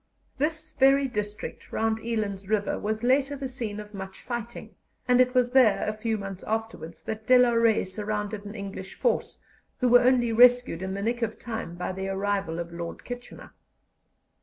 This very district round Eland's River was later the scene of much fighting, and it was there a few months afterwards that De la Rey surrounded an English force, who were only rescued in the nick of time by the arrival of Lord Kitchener.